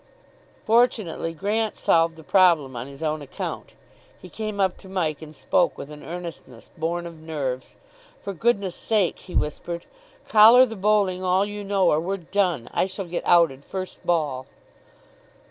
Fortunately Grant solved the problem on his own account. He came up to Mike and spoke with an earnestness born of nerves. "For goodness sake," he whispered, "collar the bowling all you know, or we're done. I shall get outed first ball."